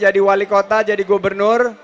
jadi wali kota jadi gubernur